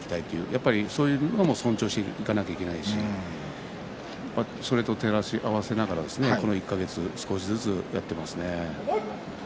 やっぱりそういう気持ちを尊重していかなければいけないしそういったことと照らし合わせながらこの１か月少しずつやっていますね。